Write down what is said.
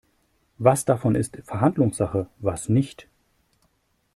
Was davon ist Verhandlungssache, was nicht?